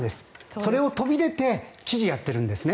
それを飛び出て知事をやってるんですね。